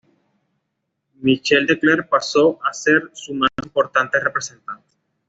Michel de Klerk pasó a ser su más importante representante.